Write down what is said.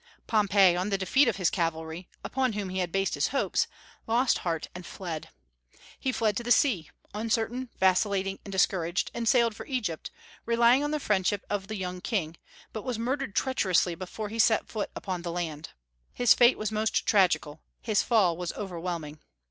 Pompey, on the defeat of his cavalry, upon whom he had based his hopes, lost heart and fled. He fled to the sea, uncertain, vacillating, and discouraged, and sailed for Egypt, relying on the friendship of the young king; but was murdered treacherously before he set foot upon the land. His fate was most tragical. His fall was overwhelming.